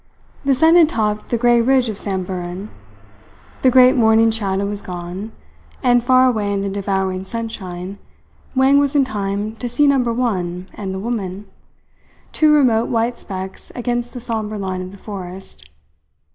The sun had topped the grey ridge of Samburan. The great morning shadow was gone; and far away in the devouring sunshine Wang was in time to see Number One and the woman, two remote white specks against the sombre line of the forest.